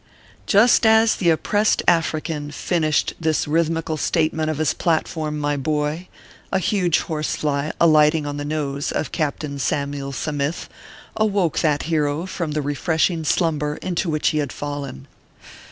Just as the oppressed African finished this rhythm ical statement of his platform, my boy, a huge horse fly, alighting on the nose of Captain Samyule Sa mith, awoke that hero from the refreshing slumber into which he had fallen.